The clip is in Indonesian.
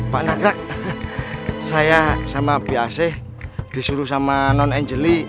pak nagrak saya sama bac disuruh sama non angelik